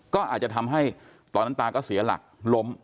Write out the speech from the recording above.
ก็อาจจะทำให้ตอนนั้นตาก็เสียหลักล้ม